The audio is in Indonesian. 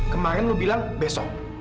kemarin lo bilang besok